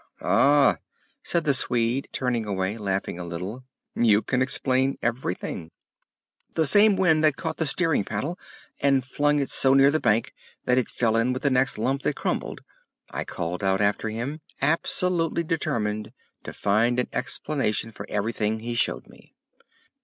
"Ah," said the Swede, turning away, laughing a little, "you can explain everything." "The same wind that caught the steering paddle and flung it so near the bank that it fell in with the next lump that crumbled," I called out after him, absolutely determined to find an explanation for everything he showed me.